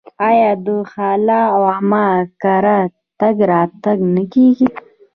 آیا د خاله او عمه کره تګ راتګ نه کیږي؟